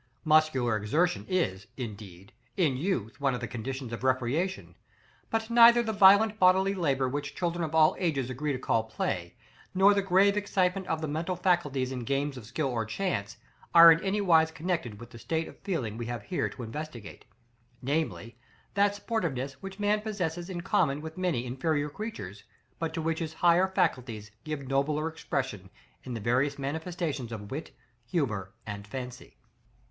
Muscular exertion is, indeed, in youth, one of the conditions of recreation; "but neither the violent bodily labor which children of all ages agree to call play," nor the grave excitement of the mental faculties in games of skill or chance, are in anywise connected with the state of feeling we have here to investigate, namely, that sportiveness which man possesses in common with many inferior creatures, but to which his higher faculties give nobler expression in the various manifestations of wit, humor, and fancy.